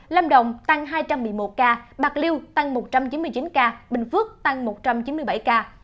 lâm đồng tăng hai trăm một mươi một ca bạc liêu tăng một trăm chín mươi chín ca bình phước tăng một trăm chín mươi bảy ca